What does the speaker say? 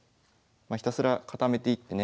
ひたすら固めていってね